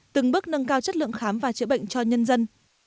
từng bước nâng cao chất lượng khám và chữa bệnh cho nhân dân